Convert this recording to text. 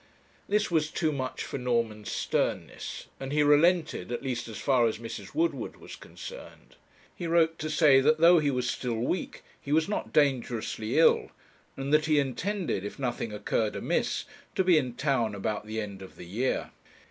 This was too much for Norman's sternness; and he relented, at least as far as Mrs. Woodward was concerned. He wrote to say that though he was still weak, he was not dangerously ill; and that he intended, if nothing occurred amiss, to be in town about the end of the year.